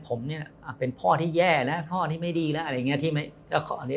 ผมเนี่ยเป็นพ่อที่แย่แล้วพ่อที่ไม่ดีแล้วอะไรอย่างนี้